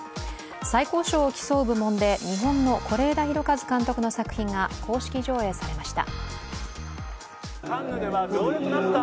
最高賞を競う部門で日本の是枝裕和監督の作品が公式上映されました。